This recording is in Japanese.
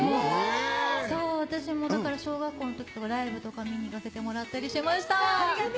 そう、私もだから小学校のときとか、ライブとか見に行かせてもらったありがとう。